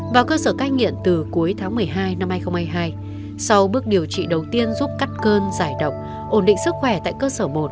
vào cơ sở cai nghiện từ cuối tháng một mươi hai năm hai nghìn hai mươi hai sau bước điều trị đầu tiên giúp cắt cơn giải độc ổn định sức khỏe tại cơ sở một